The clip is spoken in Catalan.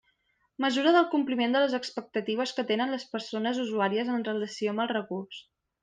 Mesura del compliment de les expectatives que tenen les persones usuàries en relació amb el recurs.